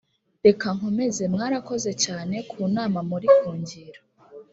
reka nkomeze mwarakoze cyane kunama muri kungira